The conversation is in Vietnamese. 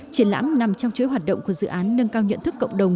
triển lãm nằm trong chuỗi hoạt động của dự án nâng cao nhận thức cộng đồng